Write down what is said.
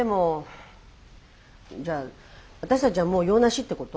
じゃあ私たちはもう用なしってこと？